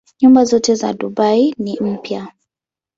Nyumba zote za Dubai ni mpya.